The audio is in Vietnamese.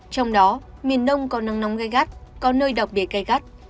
trong đó miền đông có nắng nóng gai gắt có nơi đặc biệt gai gắt